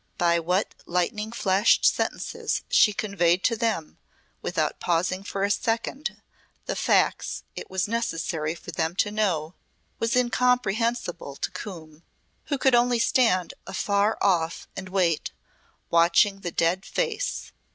By what lightning flashed sentences she conveyed to them, without pausing for a second, the facts it was necessary for them to know, was incomprehensible to Coombe, who could only stand afar off and wait, watching the dead face.